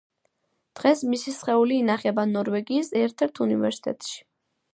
დღეს მისი სხეული ინახება ნორვეგიის ერთ-ერთ უნივერსიტეტში.